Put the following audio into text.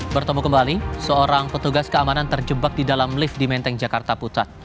bertemu kembali seorang petugas keamanan terjebak di dalam lift di menteng jakarta pusat